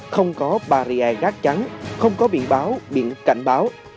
không có barrier gác trắng không có biện báo biện cảnh báo